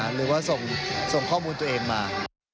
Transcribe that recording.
หรือว่าส่งข้อมูลตัวเองมา